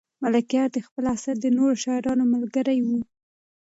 ملکیار د خپل عصر د نورو شاعرانو ملګری و.